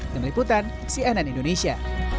kemeliputan cnn indonesia